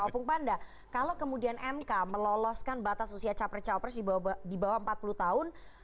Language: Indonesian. opung panda kalau kemudian mk meloloskan batas usia capres cawapres di bawah empat puluh tahun